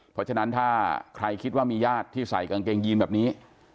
เพราะฉะนั้นถ้าใครคิดว่ามีญาติที่ใส่กางเกงยีนแบบนี้